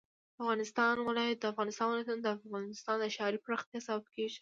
د افغانستان ولايتونه د افغانستان د ښاري پراختیا سبب کېږي.